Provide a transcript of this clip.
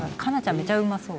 めっちゃうまそう。